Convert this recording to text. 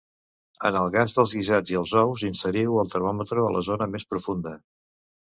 En el gas dels guisats i els ous, inseriu el termòmetre a la zona més profunda.